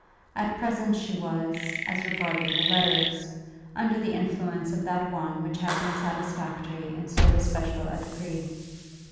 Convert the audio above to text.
At present she was, as regarded her letters, under the influence of that one which had been satisfactory in so especial a degree.